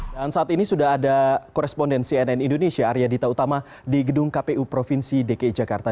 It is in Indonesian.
dan saat ini sudah ada koresponden cnn indonesia arya dita utama di gedung kpu provinsi dki jakarta